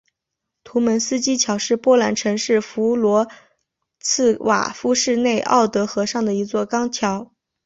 图蒙斯基桥是波兰城市弗罗茨瓦夫市内奥德河上的一座钢桥。